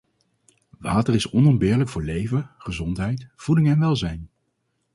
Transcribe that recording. Water is onontbeerlijk voor leven, gezondheid, voeding en welzijn.